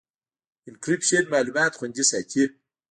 انکریپشن معلومات خوندي ساتي.